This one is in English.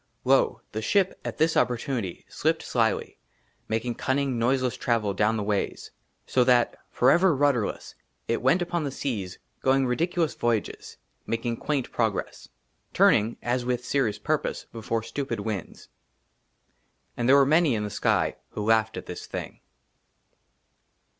LO, THE SHIP, AT THIS OPPORTUNITY, SLIPPED SLYLY, MAKING CUNNING NOISELESS TRAVEL DOWN THE WAYS. SO THAT, FOREVER RUDDERLESS, IT WENT UPON THE SEAS GOING RIDICULOUS VOYAGES, MAKING QUAINT PROGRESS, TURNING AS WITH SERIOUS PURPOSE BEFORE STUPID WINDS. AND THERE WERE MANY IN THE SKY WHO LAUGHED AT THIS THING.